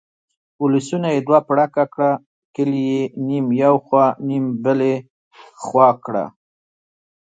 ولسونه یې دوه پړکه کړه، کلي یې نیم یو خوا نیم بلې خوا کړه.